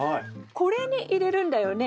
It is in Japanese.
これに入れるんだよね？